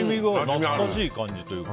懐かしい感じというか。